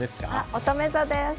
おとめ座です。